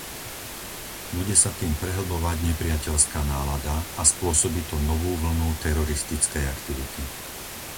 Bude sa tým prehlbovať nepriateľská nálada a spôsobí to novú vlnu teroristickej aktivity.